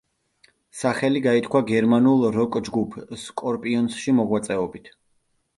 სახელი გაითქვა გერმანულ როკ-ჯგუფ, სკორპიონსში მოღვაწეობით.